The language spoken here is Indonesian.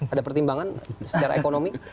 ada pertimbangan secara ekonomi